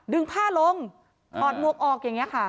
ผ้าลงถอดหมวกออกอย่างนี้ค่ะ